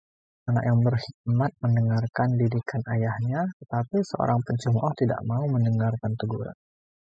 Anak yang berhikmat mendengarkan didikan ayahnya, tetapi seorang pencemooh tidak mau mendengarkan teguran.